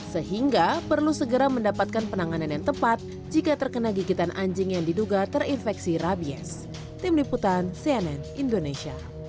sehingga perlu segera mendapatkan penanganan yang tepat jika terkena gigitan anjing yang diduga terinfeksi rabies